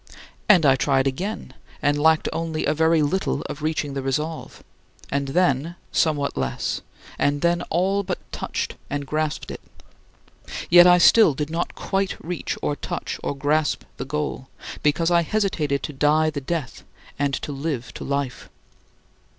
And I tried again, and lacked only a very little of reaching the resolve and then somewhat less, and then all but touched and grasped it. Yet I still did not quite reach or touch or grasp the goal, because I hesitated to die to death and to live to life.